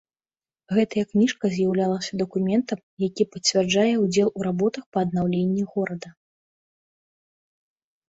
Гэтая кніжка з'яўлялася дакументам, які пацвярджае ўдзел у работах па аднаўленні горада.